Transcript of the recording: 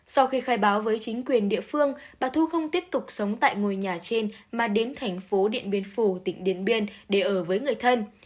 sau khi khai báo với chính quyền địa phương bà thu không tiếp tục sống tại ngôi nhà trên mà đến thành phố điện biên phủ tỉnh điện biên để ở với người thân